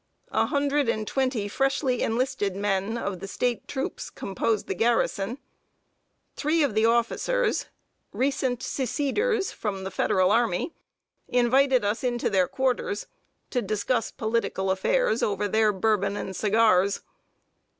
A hundred and twenty freshly enlisted men of the State troops composed the garrison. Three of the officers, recent seceders from the Federal army, invited us into their quarters, to discuss political affairs over their Bourbon and cigars.